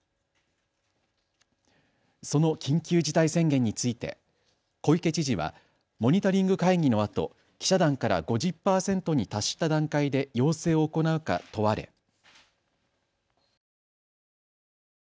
その緊急事態宣言について小池知事はモニタリング会議のあと記者団から５０％に達した段階で要請を行うか問われ。